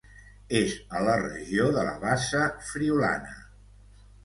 És a la regió de la Bassa Friülana.